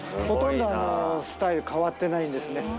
ほとんどスタイル変わってないですね。